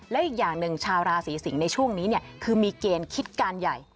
และอีกอย่างหนึ่งชาวราศีสิงศ์ในช่วงนี้คือมีเกณฑ์คิดการใหญ่